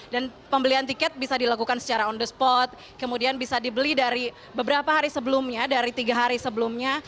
dan pembelian tiket bisa dilakukan secara on the spot kemudian bisa dibeli dari beberapa hari sebelumnya dari tiga hari sebelumnya